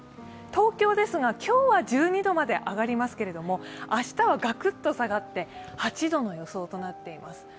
東京ですが今日は１２度まで上がりますけれども、明日はガクッと下がって８度の予想となっています。